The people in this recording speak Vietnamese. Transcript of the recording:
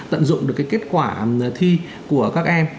tận dụng được cái kết quả thi của các em